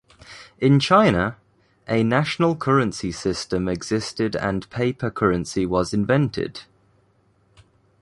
In China, a national currency system existed and paper currency was invented.